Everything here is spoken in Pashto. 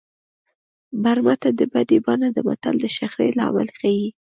برمته د بدۍ بانه ده متل د شخړې لامل ښيي